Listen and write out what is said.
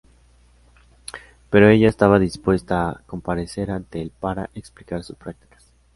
Pero ella estaba dispuesta a comparecer ante el para explicar sus prácticas.